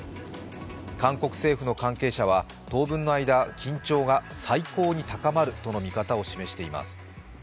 韓国政府の関係者は、当分の間緊張が最高に高まるとの見方を示しています。